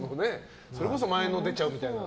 それこそ前の出ちゃうみたいな。